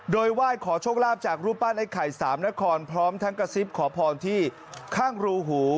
โดยไหว้ขอโชคลาภจากรูปปั้นไอ้ไข่สามนครพร้อมทั้งกระซิบขอพรที่ข้างรูหู